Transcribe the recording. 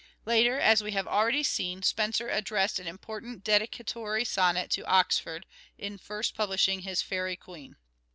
Later, as we have already seen, Spenser addressed an important dedicatory sonnet to Oxford in first publishing his " Fairie Queen."